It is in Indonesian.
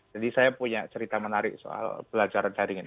jadi saya punya cerita menarik soal belajaran jaringan